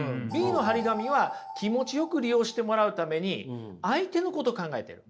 Ｂの貼り紙は気持ちよく利用してもらうために相手のことを考えている。